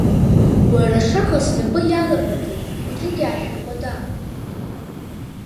Уара ашаха снапы иалапаӡеит, хәыҷык иаашәыркәада.